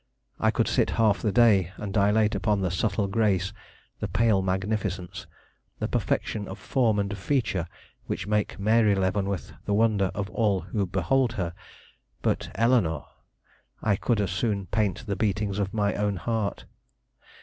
I could sit half the day and dilate upon the subtle grace, the pale magnificence, the perfection of form and feature which make Mary Leavenworth the wonder of all who behold her; but Eleanore I could as soon paint the beatings of my own heart.